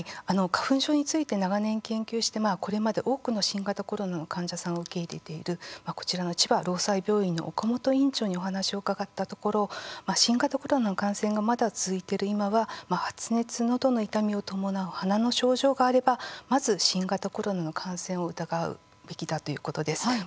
花粉症について長年研究して、これまで多くの新型コロナの患者さんを受け入れている、こちらの千葉労災病院の岡本院長にお話を伺ったところ新型コロナの感染がまだ続いている今は発熱、のどの痛みを伴う鼻の症状があればまず新型コロナの感染を疑うべきだということです。